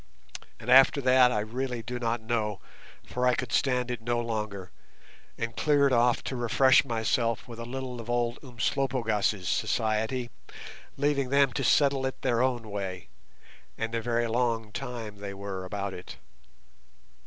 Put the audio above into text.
And after that I really do not know, for I could stand it no longer, and cleared off to refresh myself with a little of old Umslopogaas' society, leaving them to settle it their own way, and a very long time they were about it.